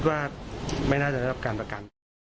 และรับการประกัน